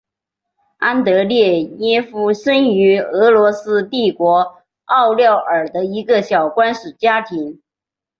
安德列耶夫生于俄罗斯帝国奥廖尔的一个小官吏家庭。